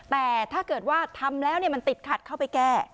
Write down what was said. แต่ถ้าเกิดว่าทำแล้วมันติดขัดเข้าไปแก้